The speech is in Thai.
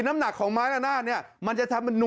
น้ำหนักของไม้ละนาดเนี่ยมันจะทำ